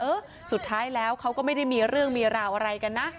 เออสุดท้ายแล้วเขาก็ไม่ได้มีเรื่องมีราวอะไรกันนะ